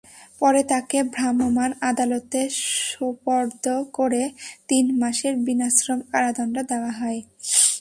পরে তাঁকে ভ্রাম্যমাণ আদালতে সোপর্দ করে তিন মাসের বিনাশ্রম কারাদণ্ড দেওয়া হয়।